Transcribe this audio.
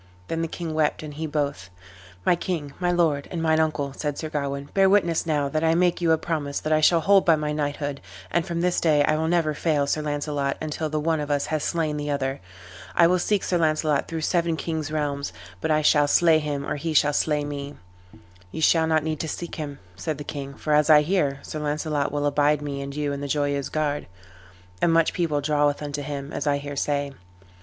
Then the king wept and he both. "My king, my lord, and mine uncle," said Sir Gawain, "bear witness now that I make you a promise that I shall hold by my knighthood, and from this day I will never fail Sir Launcelot until the one of us have slain the other. I will seek Sir Launcelot throughout seven kings' realms, but I shall slay him or he shall slay me." "Ye shall not need to seek him," said the king, "for as I hear, Sir Launcelot will abide me and you in the Joyeuse Garde; and much people draweth unto him, as I hear say."